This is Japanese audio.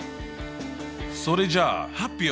それじゃあ発表！